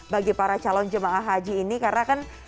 bagi para calon jemaah haji ini karena kan